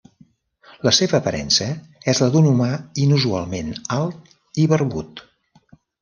La seva aparença és la d'un humà inusualment alt i barbut.